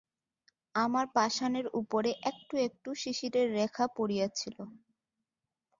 আমার পাষাণের উপরে একটু একটু শিশিরের রেখা পড়িয়াছিল।